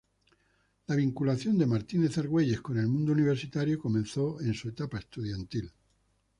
La vinculación de Martínez Argüelles con el mundo universitario comenzó en su etapa estudiantil.